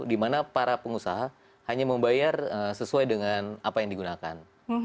di mana para pengusaha hanya membayar sesuai dengan apa yang digunakan